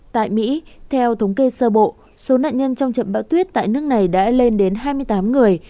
tại mỹ theo thống kê sơ bộ số nạn nhân trong trận bão tuyết tại nước này đã lên đến hai mươi tám người